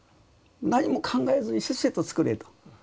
何も考えずにせっせと作れと。